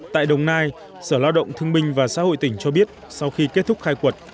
tại đồng nai sở lao động thương minh và xã hội tỉnh cho biết sau khi kết thúc khai quật